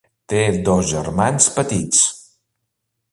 Té dos germans petits: